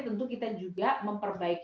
tentu kita juga memperbaikinya